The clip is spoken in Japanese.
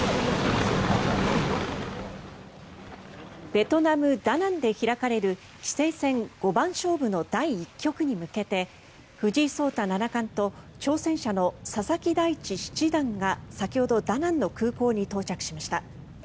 ベトナム・ダナンで開かれる棋聖戦五番勝負の第１局に向けて藤井聡太七冠と挑戦者の佐々木大地七段が先ほどダナンの空港に到着しました。